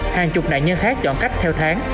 hàng chục nạn nhân khác chọn cách theo tháng